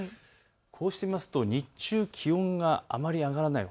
こうして見ますと日中、気温があまり上がらない。